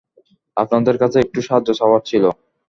আপনাদের কাছে একটু সাহায্য চাওয়ার ছিল।